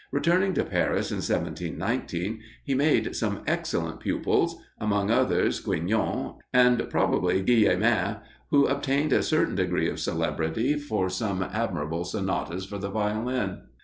Returning to Paris in 1719, he made some excellent pupils, among others Guignon, and probably Guillemain, who obtained a certain degree of celebrity for some admirable sonatas for the Violin.